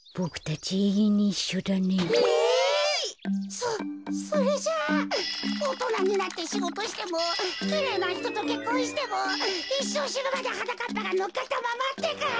そそれじゃあおとなになってしごとしてもきれいなひととけっこんしてもいっしょうしぬまではなかっぱがのっかったままってか？